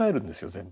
全部。